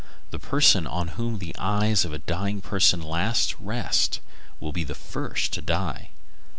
The person on whom the eyes of a dying person last rest will be the first to die.